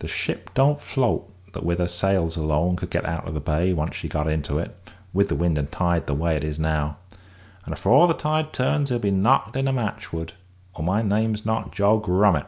The ship don't float that, with her sails alone, could get out of the bay, once she got into it, with the wind and tide the way it is now; and afore the tide turns he'll be knocked into match wood, or my name's not Joe Grummet.